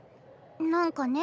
何かね